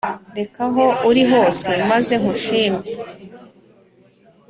reka aho uri hose maze nkushime